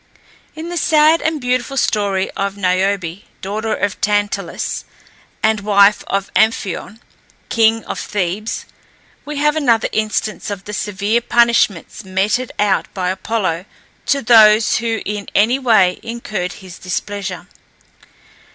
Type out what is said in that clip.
In the sad and beautiful story of Niobe, daughter of Tantalus, and wife of Amphion, king of Thebes, we have another instance of the severe punishments meted out by Apollo to those who in any way incurred his displeasure.